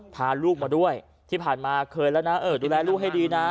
พาลูกมาด้วยที่ผ่านมาเคยแล้วนะเออดูแลลูกให้ดีนะ